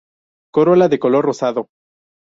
Corola de color rosado.